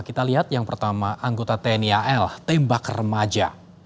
kita lihat yang pertama anggota tni al tembak remaja